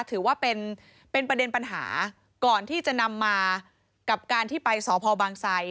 ถือว่าเป็นประเด็นปัญหาก่อนที่จะนำมากับการที่ไปสพบางไซ